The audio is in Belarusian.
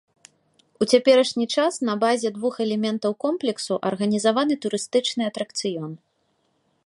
У цяперашні час на базе двух элементаў комплексу арганізаваны турыстычны атракцыён.